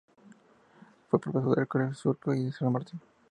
Fue profesor en colegios de Surco y San Martín.